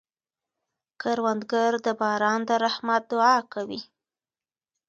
کروندګر د باران د رحمت دعا کوي